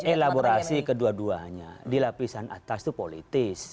elaborasi kedua duanya di lapisan atas itu politis